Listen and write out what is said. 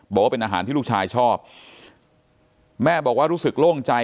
บอกว่าเป็นอาหารที่ลูกชายชอบแม่บอกว่ารู้สึกโล่งใจ